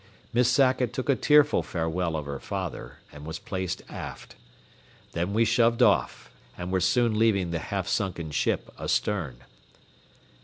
Miss Sackett took a tearful farewell of her father, and was placed aft. Then we shoved off, and were soon leaving the half sunken ship astern.